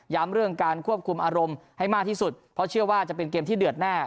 เรื่องการควบคุมอารมณ์ให้มากที่สุดเพราะเชื่อว่าจะเป็นเกมที่เดือดแน่